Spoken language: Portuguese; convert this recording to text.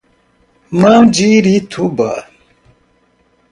Mandirituba